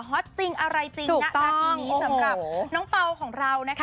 จริงอะไรจริงณทีนี้สำหรับน้องเปล่าของเรานะคะ